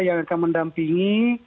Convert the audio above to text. yang akan mendampingi